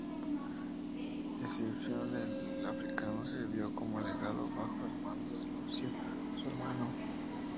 Escipión el Africano sirvió como legado bajo el mando de Lucio, su hermano.